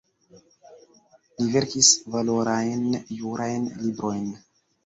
Li verkis valorajn jurajn librojn.